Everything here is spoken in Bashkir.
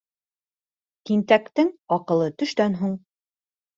Тинтәктең аҡылы төштән һуң.